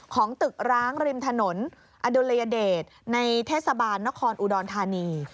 ของตึกร้างริมถนนอดุลยเดชในเทศบาลนครอุดรธานี